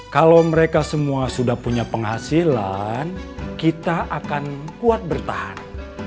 kalau mereka semua sudah punya penghasilan kita akan kuat bertahan